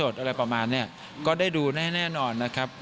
อะไรประมาณนี้ก็ได้ดูแน่นอนนะครับ